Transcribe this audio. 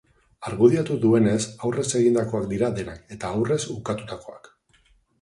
Argudiatu duenez, aurrez egindakoak dira denak, eta aurrez ukatutakoak.